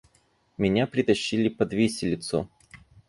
Меня притащили под виселицу.